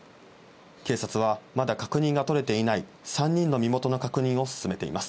警察は、まだ確認が取れていない３人の身元の確認を進めています。